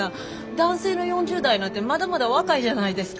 男性の４０代なんてまだまだ若いじゃないですか。